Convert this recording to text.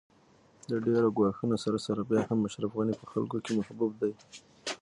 د ډېرو ګواښونو سره سره بیا هم اشرف غني په خلکو کې محبوب دی